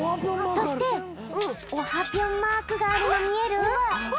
そしてオハぴょんマークがあるのみえる？